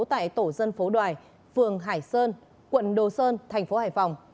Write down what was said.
tại tổ dân phố đoài phường hải sơn quận đồ sơn tp hải phòng